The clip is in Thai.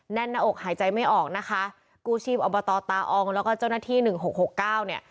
แน่นหน้าอกหายใจไม่ออกนะคะกู้ชีพอบตตาอองแล้วก็เจ้าหน้าที่หนึ่งหกหกเก้าเนี่ย